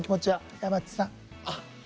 山内さん。